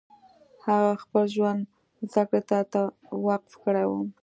هغو خپل ژوند زدکړې ته وقف کړی و